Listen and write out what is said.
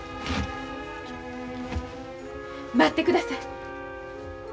待ってください。